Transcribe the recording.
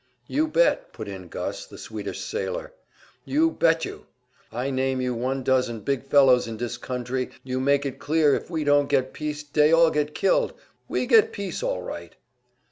"You bet," put in Gus, the Swedish sailor. "You bet you! I name you one dozen big fellows in dis country you make it clear if we don't get peace dey all get killed we get peace all right!"